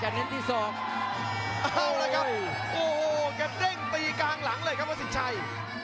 เอาละครับโอ้โฮจะเด้งตีกลางหลังเลยครับวัสิชัย